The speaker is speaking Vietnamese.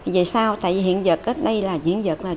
vì sao tại hiện vật đây là diễn vật